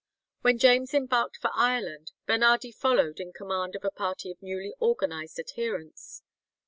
When James embarked for Ireland, Bernardi followed in command of a party of newly organized adherents.